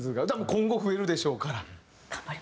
今後増えるでしょうから。